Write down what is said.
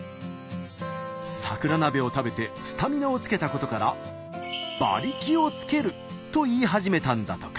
桜鍋を食べてスタミナをつけたことからと言い始めたんだとか。